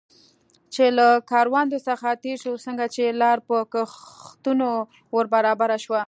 چې له کروندو څخه تېر شو، څنګه چې لار په کښتونو ور برابره شوه.